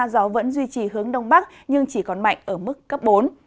gió vẫn duy trì hướng đông bắc nhưng chỉ còn mạnh ở mức cấp bốn